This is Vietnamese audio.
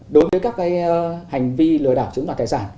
đối với các hành vi lừa đảo chiếm đoạt tài sản